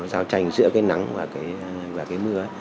giao tranh giữa cái nắng và cái mưa